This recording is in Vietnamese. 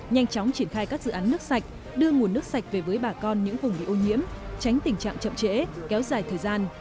nhanh chóng triển khai các dự án nước sạch đưa nguồn nước sạch về với bà con những vùng bị ô nhiễm tránh tình trạng chậm trễ kéo dài thời gian